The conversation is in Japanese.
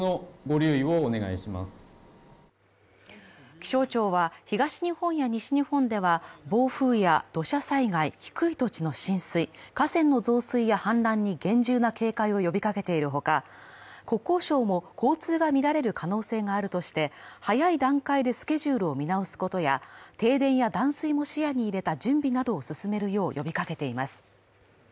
気象庁は、東日本や西日本では暴風雨や土砂災害、低い土地の浸水、河川の増水や氾濫に厳重な警戒を呼びかけているほか、国交省も交通が乱れる可能性があるとして早い段階でスケジュールを見直すことや、停電や断水も視野に入れた準備などを進めるよう呼びかけています。